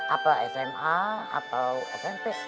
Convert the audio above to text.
apa sma atau smp